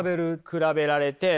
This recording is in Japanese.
比べられて。